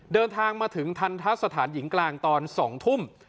เดินทางมาถึงทันทะสถานหญิงกลางตอน๒ทุ่ม